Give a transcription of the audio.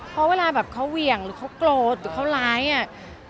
เพราะเวลาแบบเขาเหวี่ยงหรือเขาโกรธหรือเขาร้ายอ่ะ